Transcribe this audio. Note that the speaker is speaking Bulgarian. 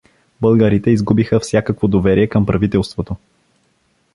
Българите изгубиха всякакво доверие към правителството.